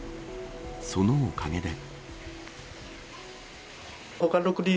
そのおかげで。